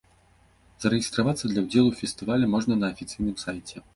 Зарэгістравацца для ўдзелу ў фестывалі можна на афіцыйным сайце.